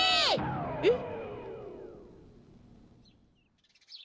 えっ？